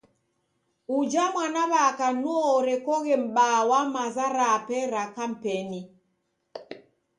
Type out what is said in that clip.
Uja mwanaw'aka nuo orekoghe mbaa wa maza rape ra kampeni.